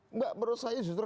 enggak menurut saya justru